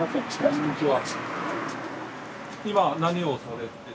こんにちは。